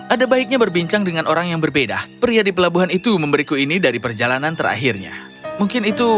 ada baiknya berbincang dengan orang yang berbincang